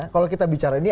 kalau kita bicara ini